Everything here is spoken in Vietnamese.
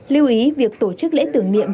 lưu ý việc tổ chức lễ tưởng niệm